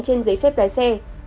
trên giấy phép lái xe